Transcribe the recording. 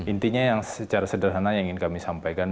intinya yang secara sederhana yang ingin kami sampaikan